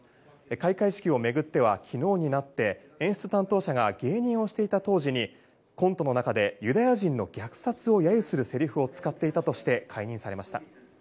開会式を巡っては昨日になって演出担当者が芸人をしていた当時にコントの中でユダヤ人の虐殺を揶揄するセリフを使っていたとして解任されました。